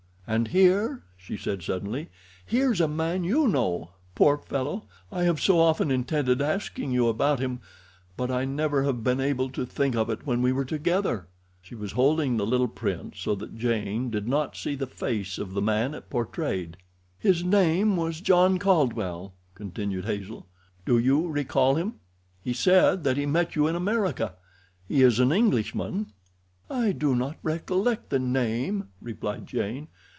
"And here," she said suddenly, "here's a man you know. Poor fellow, I have so often intended asking you about him, but I never have been able to think of it when we were together." She was holding the little print so that Jane did not see the face of the man it portrayed. "His name was John Caldwell," continued Hazel. "Do you recall him? He said that he met you in America. He is an Englishman." "I do not recollect the name," replied Jane.